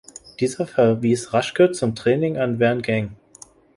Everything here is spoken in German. Dieser verwies Raschke zum Training an Verne Gagne.